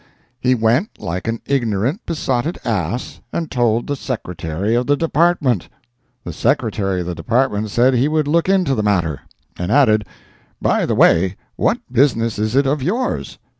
He went, like an ignorant, besotted ass, and told the Secretary of the Department! The Secretary of the Department said he would look into the matter; and added, "By the way, what business is it of yours?"